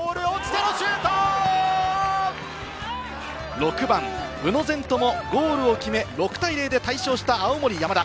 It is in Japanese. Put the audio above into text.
６番・宇野禅斗もゴールを決め、６対０で大勝した青森山田。